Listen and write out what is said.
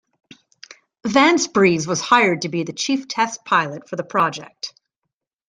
Vance Breese was hired to be the chief test pilot for the project.